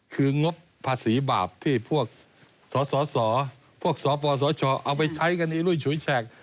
คืองบภาษีบาปที่พวกสสพวกสปสชเอาไปใช้กันอีรุ่ยฉุยแฉก